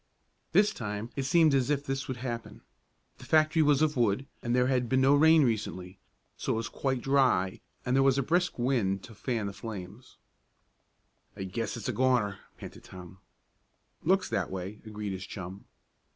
This time it seemed as if this would happen. The factory was of wood, and there had been no rain recently, so it was quite dry, and there was a brisk wind to fan the flames. "I guess it's a goner," panted Tom. "Looks that way," agreed his chum.